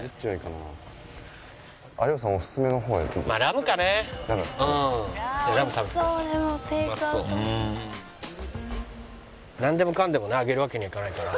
なんでもかんでもなあげるわけにはいかないから。